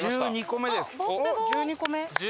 １２個目。